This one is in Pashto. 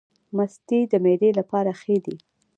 مستې د معدې لپاره ښې دي